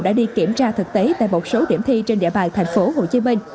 đã đi kiểm tra thực tế tại một số điểm thi trên địa bàn thành phố hồ chí minh